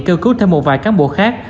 cư cứu thêm một vài cán bộ khác